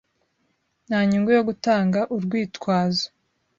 Nta nyungu yo gutanga urwitwazo.